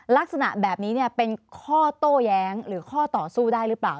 ลักษณะแบบนี้เป็นข้อโต้แย้งหรือข้อต่อสู้ได้หรือเปล่า